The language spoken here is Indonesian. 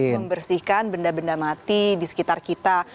membersihkan benda benda mati di sekitar kita